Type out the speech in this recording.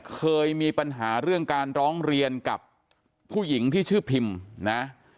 เคยมีปัญหาเรื่องการร้องเรียนกับผู้หญิงที่ชื่อพิมนะ